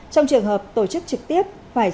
trong trường hợp tổ chức trực tiếp